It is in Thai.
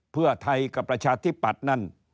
เพื่อไทยกับประชาธิปัตย์นั่น